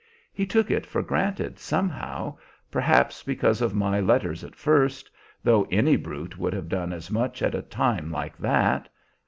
He took it for granted, somehow, perhaps because of my letters at first, though any brute would have done as much at a time like that!